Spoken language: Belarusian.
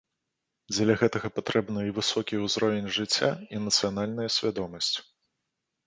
Дзеля гэтага патрэбны і высокі ўзровень жыцця, і нацыянальная свядомасць.